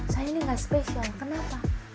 saya ini nggak spesial kenapa